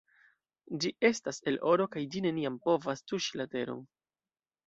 Ĝi estas el oro kaj ĝi neniam povas tuŝi la teron.